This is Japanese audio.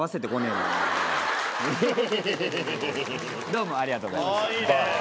若林：どうもありがとうございました。